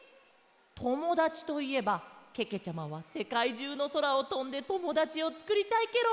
「ともだち」といえばけけちゃまはせかいじゅうのそらをとんでともだちをつくりたいケロ！